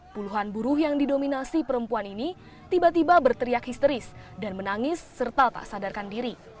puluhan buruh yang didominasi perempuan ini tiba tiba berteriak histeris dan menangis serta tak sadarkan diri